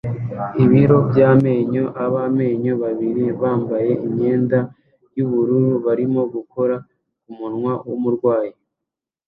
Ibiro by'amenyo; abamenyo babiri bambaye imyenda yubururu barimo gukora kumunwa wumurwayi